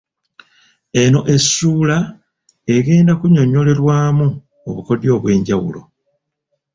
Eno essuula egenda kunnyonnyolerwamu obukodyo obw’enjawulo.